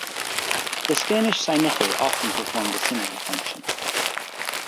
The Spanish Sainete often performed a similar function.